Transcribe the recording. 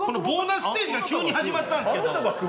ボーナスステージが急に始まったんですけど。